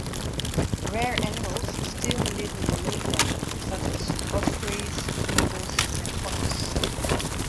Rare animals still live in the lakeland, such as ospreys, beavers and otters.